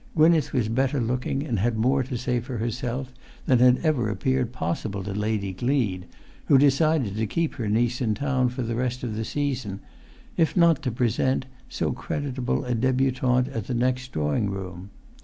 Gwynneth was better looking and had more to say for herself than had[Pg 293] ever appeared possible to Lady Gleed, who decided to keep her niece in town for the rest of the season, if not to present so creditable a débutante at the next drawing room.